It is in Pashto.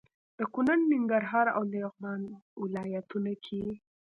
د کونړ، ننګرهار او لغمان ولايتونو کې